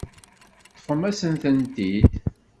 Teṭṭfem-asen-tent-id.